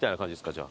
じゃあ。